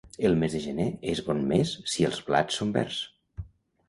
El mes de gener és bon mes si els blats són verds.